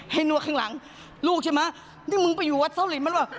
ให้นวดข้างหลังลูกใช่ไหมนี่มึงไปอยู่วัดเศร้าฤทธิ์มั้นหรือเปล่า